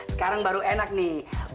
sekarang baru enak nih